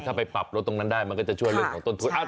ถ้าไปปรับรถตรงนั้นได้มันก็จะช่วยเรื่องของต้นทุน